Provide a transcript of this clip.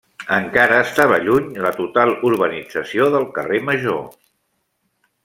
Encara estava lluny la total urbanització del carrer Major.